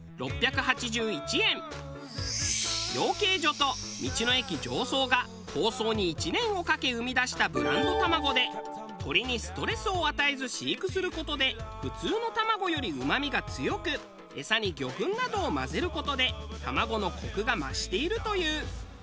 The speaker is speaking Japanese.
養鶏場と道の駅常総が構想に１年をかけ生み出したブランド卵で鶏にストレスを与えず飼育する事で普通の卵よりうまみが強く餌に魚粉などを混ぜる事で卵のコクが増しているという。